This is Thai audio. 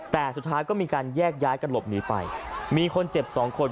แต่สุดท้ายก็มีการแยกย้ายกันหลบหนีไปมีคนเจ็บสองคน